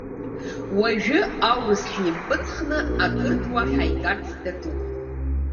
Уажәы аурыс ҳимпыҵхны ақырҭуа ҳаигарц даҿуп.